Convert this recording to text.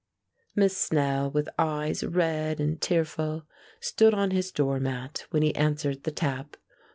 Miss Snell, with eyes red and tearful, stood on his door mat when he answered the tap.